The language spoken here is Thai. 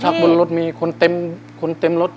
ถ้าบนรถมีคนเต็มคนเต็มรถ